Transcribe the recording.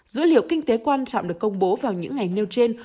dữ liệu kinh tế quan trọng được công bố vào những ngày nêu trên